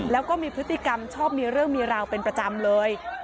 แล้วก็มีพฤติกรรมชอบมีเรื่องมีราวเป็นประจำเลย